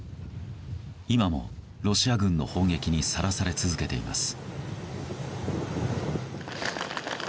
今もロシア軍の砲撃にさらされ続けています。